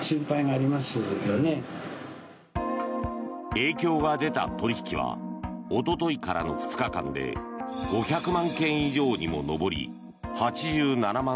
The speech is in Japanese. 影響が出た取引はおとといからの２日間で５００万件以上にも上り８７万